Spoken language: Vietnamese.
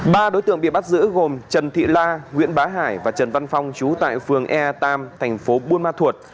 ba đối tượng bị bắt giữ gồm trần thị la nguyễn bá hải và trần văn phong chú tại phường ea tam thành phố buôn ma thuột